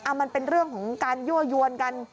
มันเป็นเรื่องของการยั่วยวนกัน